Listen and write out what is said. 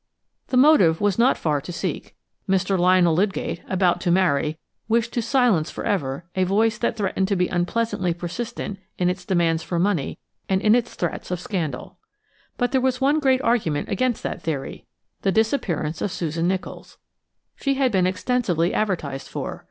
The motive was not far to seek. Mr. Lionel Lydgate, about to marry, wished to silence for ever a voice that threatened to be unpleasantly persistent in its demands for money and in its threats of scandal. But there was one great argument against that theory–the disappearance of Susan Nicholls. She had been extensively advertised for.